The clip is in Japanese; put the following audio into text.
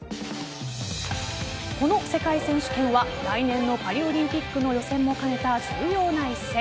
この世界選手権は来年のパリオリンピックの予選も兼ねた重要な一戦。